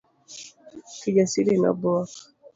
Kijasiri nobuok.